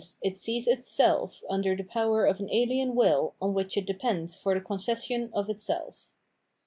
it sees its self under the power of an ahen wiU on which it depends for the concession of its self.